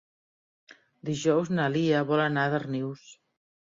Dijous na Lia vol anar a Darnius.